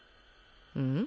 うん？